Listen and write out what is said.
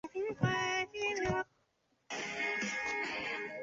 部分播出频率与朝鲜中央广播电台使用的频率相同。